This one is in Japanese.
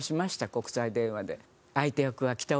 国際電話で。